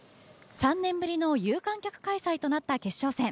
３年ぶりの有観客開催となった決勝戦。